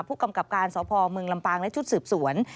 ผู้กำกับการสพเมืองลำปางและชุดสืบสวน